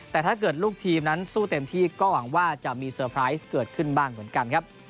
แต่ถ้าเกิดลูกทีมนั้นสู้เต็มที่ก็หวังว่าจะมีเซอร์ไพรส์เกิดขึ้นบ้างเหมือนกันครับ